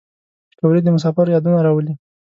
پکورې د مسافرو یادونه راولي